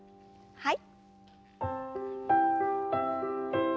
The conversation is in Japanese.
はい。